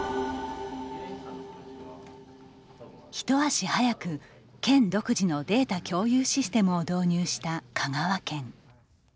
一足早く県独自のデータ共有システムを導入した香川県。